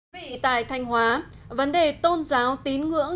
vị tại thanh hóa vấn đề tôn giáo tín ngưỡng